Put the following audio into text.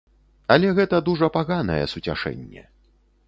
Але гэта дужа паганае суцяшэнне.